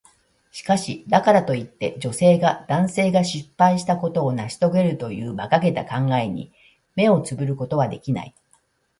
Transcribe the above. しかし、だからといって、女性が男性が失敗したことを成し遂げるという馬鹿げた考えに目をつぶることはできない。